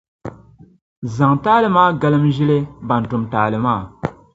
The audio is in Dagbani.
zaŋ taali maa galimi ʒili bɛn tum taali maa.